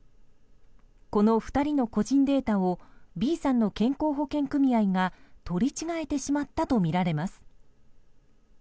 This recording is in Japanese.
この２人の個人データをＢさんの健康保険組合が取り違えてしまったとみられます。